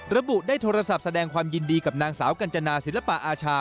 ระบุได้โทรศัพท์แสดงความยินดีกับนางสาวกัญจนาศิลปะอาชา